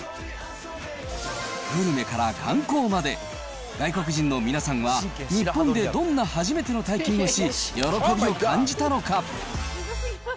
グルメから観光まで、外国人の皆さんは、日本でどんな初めての体験をし、喜びを感じたのか。